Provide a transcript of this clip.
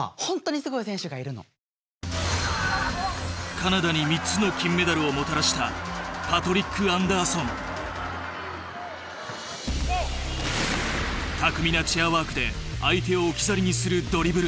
カナダに３つの金メダルをもたらした巧みなチェアワークで相手を置き去りにするドリブル！